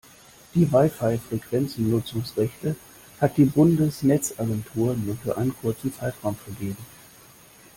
Die WiFi-Frequenzen-Nutzungsrechte hat die Bundesnetzagentur nur für einen kurzen Zeitraum vergeben.